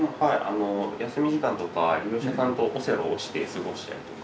休み時間とか利用者さんとオセロをして過ごしたりとか。